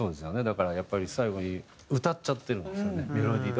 だからやっぱり最後に歌っちゃってるんですよねメロディー。